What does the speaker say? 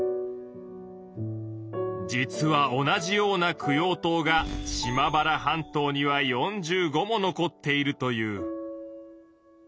実は同じような供養塔が島原半島には４５も残っているという。